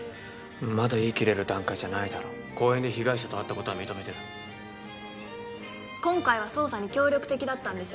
まだ言い切れる段階じゃないだろ公園で被害者と会ったことは認めてる今回は捜査に協力的だったんでしょ